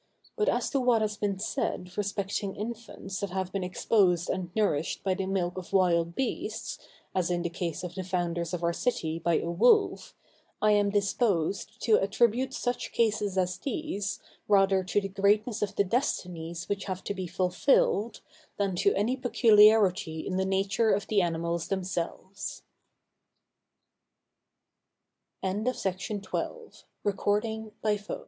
But as to what has been said respecting infants that have been exposed and nourished by the milk of wild beasts, as in the case of the founders of our city by a wolf, I am disposed to attribute such cases as these rather to the greatness of the destinies which have to be fulfilled, than to any peculiarity in the nature of the animals themselve